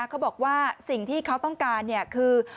เขาบอกว่าสิ่งที่เขาต้องการคือ